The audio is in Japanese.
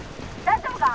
「大丈夫か？」。